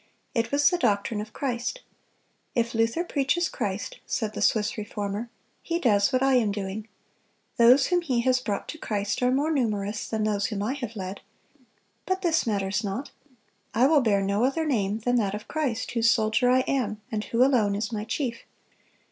It was the doctrine of Christ. "If Luther preaches Christ," said the Swiss Reformer, "he does what I am doing. Those whom he has brought to Christ are more numerous than those whom I have led. But this matters not. I will bear no other name than that of Christ, whose soldier I am, and who alone is my chief.